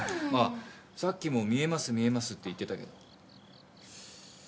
さっきも「見えます見えます」って言ってたけど？